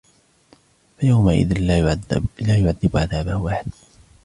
فيومئذ لا يعذب عذابه أحد